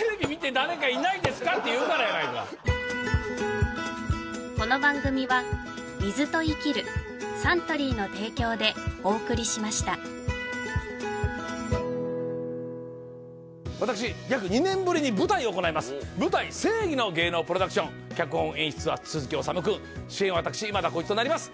「誰かいないですか？」って言うからやないか私約２年ぶりに舞台を行います舞台「正偽の芸能プロダクション」脚本演出は鈴木おさむ君主演は私今田耕司となります